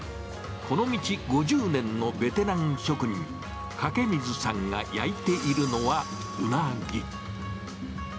この道５０年のベテラン職人、掛水さんが焼いているのは、ウナギ。